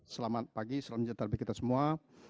selamat pagi salam sejahtera bagi kita semua